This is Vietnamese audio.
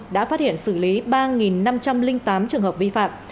đã phát hiện xử lý ba năm trăm linh tám trường hợp vi phạm